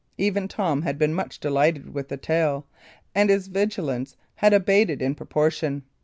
Even Tom had been much delighted with the tale, and his vigilance had abated in proportion.